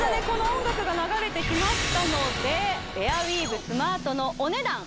この音楽が流れてきましたのでエアウィーヴスマートのお値段